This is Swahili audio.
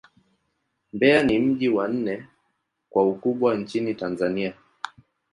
Mbeya ni mji wa nne kwa ukubwa nchini Tanzania.